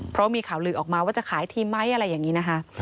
เพราะมีข่าวลือออกมาว่าจะขายทีมไหมอะไรอย่างนี้นะคะ